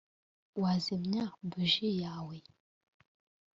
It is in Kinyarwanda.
wazimya buji yawe